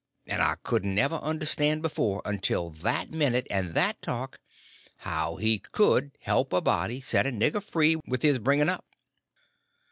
and I couldn't ever understand before, until that minute and that talk, how he could help a body set a nigger free with his bringing up.